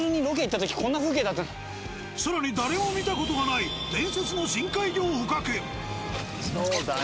更に誰も見たことがない伝説の深海魚を捕獲。